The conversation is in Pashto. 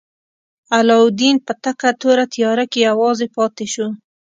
علاوالدین په تکه توره تیاره کې یوازې پاتې شو.